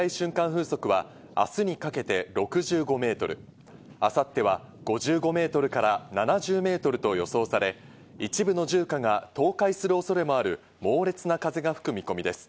風速は明日にかけて６５メートル、明後日は５５メートルから７０メートルと予想され、一部の住家が倒壊する恐れもある猛烈な風が吹く見込みです。